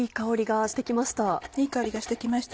いい香りがして来ました。